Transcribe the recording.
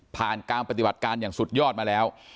ผ่านการปฏิบัติการอย่างสุดยอดมาแล้ว